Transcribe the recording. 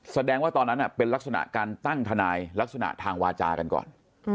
แสดงว่าตอนนั้นเป็นลักษณะการตั้งทนายลักษณะทางวาจากันก่อน